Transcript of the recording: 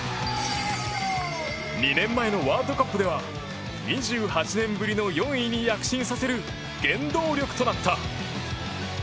２年前のワールドカップでは２８年ぶりの４位に躍進させる原動力となった。